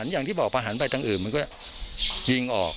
อย่างที่บอกก็พประหันต์ไปทั้งอื่น